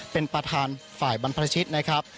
เป็นประธานฝ่ายบรรพชิตนะครับ